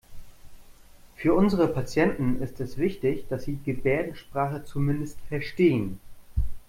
Für unsere Patienten ist es wichtig, dass Sie Gebärdensprache zumindest verstehen.